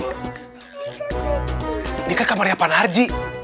ini kan kamarnya pak narji